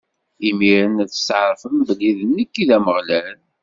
Imiren ad testɛeṛfem belli d nekk i d Ameɣlal.